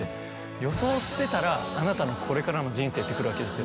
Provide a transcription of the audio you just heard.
「あなたのこれからの人生」って来るわけですよ